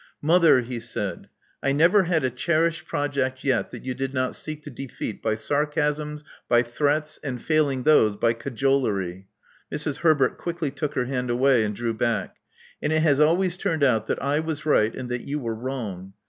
Mother," he said: I never had a cherished project yet that you did not seek to defeat by sarcasms, by threats, and failing those, by cajolery. " Mrs. Herbert quickly took her hand away, and drew back. "And it has always turned out that I was right and that you were wrong.